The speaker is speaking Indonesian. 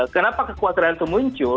kenapa kekhawatiran itu muncul